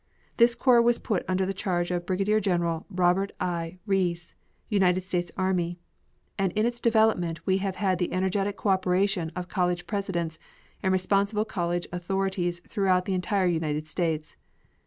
This corps was put under the charge of Brigadier General Robert I. Rees, United States army, and in its development we have had the energetic cooperation of college presidents and responsible college authorities throughout the entire United States.